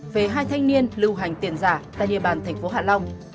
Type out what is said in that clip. về hai thanh niên lưu hành tiền giả tại địa bàn tp hạ long